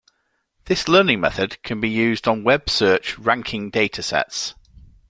This learning method can be used on web-search ranking data sets.